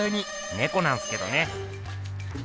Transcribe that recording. ねこなんすけどね。